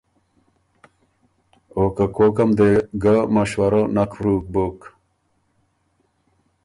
او کوکم دې ګه مشوره نک ورُوک بُک۔